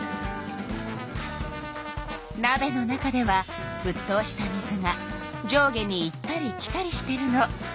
なべの中ではふっとうした水が上下に行ったり来たりしてるの。